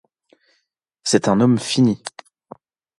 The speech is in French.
C'est un homme fini.